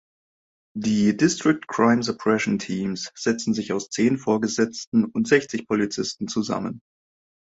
Die District Crime Suppression Teams setzen sich aus zehn Vorgesetzten und sechzig Polizisten zusammen.